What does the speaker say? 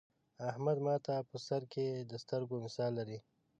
احمد ماته په سر کې د سترگو مثال لري.